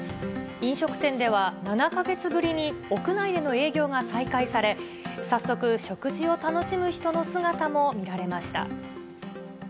飲食店では、７か月ぶりに屋内での営業が再開され、早速、食事を楽しむ人の姿も見られました。